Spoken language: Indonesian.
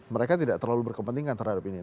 mereka tidak terlalu berkepentingan terhadap ini